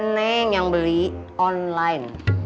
neng yang beli online